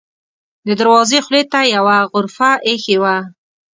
د دروازې خولې ته یوه غرفه اېښې وه.